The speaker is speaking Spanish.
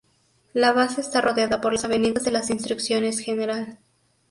La base está rodeada por las avenidas de las Instrucciones, Gral.